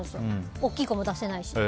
大きい声も出せないし。